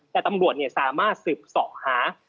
แต่ตำรวจสามารถสืบเสาะหา